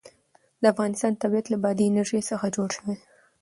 د افغانستان طبیعت له بادي انرژي څخه جوړ شوی دی.